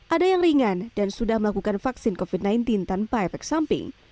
ada yang ringan dan sudah melakukan vaksin covid sembilan belas tanpa efek samping